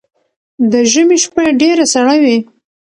ده ژمی شپه ډیره سړه وی